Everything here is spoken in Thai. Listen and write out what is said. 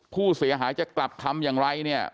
ผู้เสียหายจะกลับคำอย่างไรเนี่ย